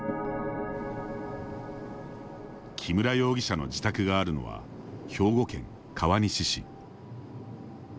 木村容疑者の自宅があるのは兵庫県川西市。